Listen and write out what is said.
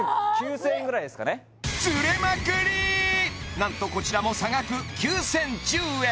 何とこちらも差額９０１０円